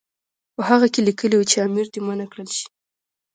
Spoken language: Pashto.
په هغه کې لیکلي وو چې امیر دې منع کړل شي.